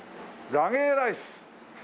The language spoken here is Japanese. ラゲーライス。